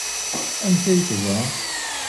Amek ay teẓra?